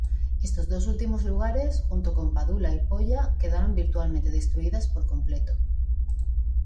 Estos dos últimos lugares, junto con Padula y Polla, quedaron virtualmente destruidas por completo.